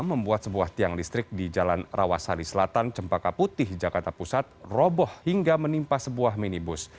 membuat sebuah tiang listrik di jalan rawasari selatan cempaka putih jakarta pusat roboh hingga menimpa sebuah minibus